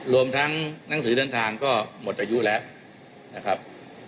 รวมทั้งหนังสือเดินทางก็หมดอายุแล้วนะครับ